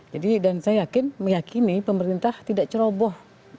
jadi dan saya yakin meyakini pemerintah tidak ceroboh